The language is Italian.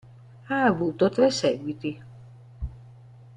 Ha avuto tre seguiti.